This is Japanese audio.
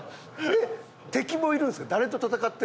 敵もいるんすか？